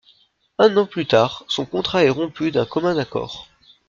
Un an plus tard, son contrat est rompu d'un commun accord.